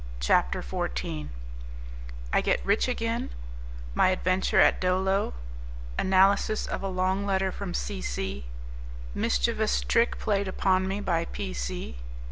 CHAPTER XIV I Get Rich Again My Adventure At Dolo Analysis of a Long Letter From C. C. Mischievous Trick Played Upon Me By P. C.